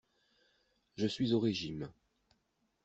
Je suis au régime.